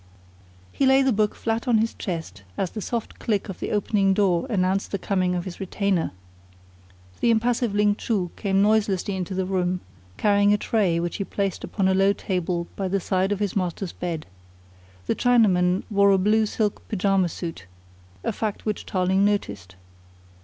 He lay the book flat on his chest as the soft click of the opening door announced the coming of his retainer. The impassive Ling Chu came noiselessly into the room, carrying a tray, which he placed upon a low table by the side of his master's bed. The Chinaman wore a blue silk pyjama suit a fact which Tarling noticed.